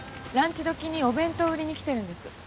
ランチ時にお弁当を売りに来てるんです。